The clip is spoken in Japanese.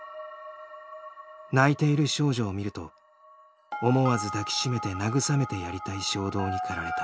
泣いている少女を見ると思わず抱きしめてなぐさめてやりたい衝動にかられた。